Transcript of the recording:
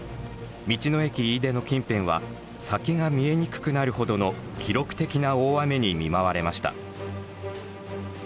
道の駅いいでの近辺は先が見えにくくなるほどの記録的な大雨に見舞われました。